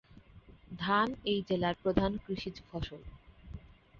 ধান এই জেলার প্রধান কৃষিজ ফসল।